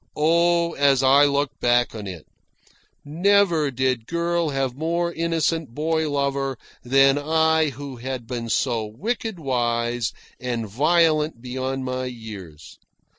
Oh, as I look back on it! Never did girl have more innocent boy lover than I who had been so wicked wise and violent beyond my years.